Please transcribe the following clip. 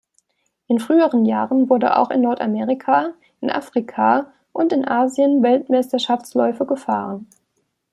In früheren Jahren wurde auch in Nordamerika, in Afrika und in Asien Weltmeisterschaftsläufe gefahren.